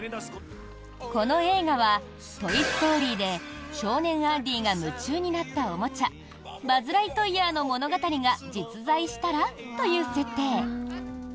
この映画は「トイ・ストーリー」で少年・アンディが夢中になったおもちゃバズ・ライトイヤーの物語が実在したら？という設定。